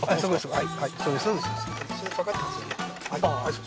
はい。